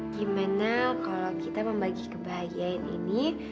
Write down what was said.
gimana kalau kita membagi kebahagiaan ini